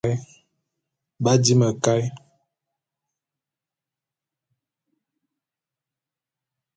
B'adi mekaé.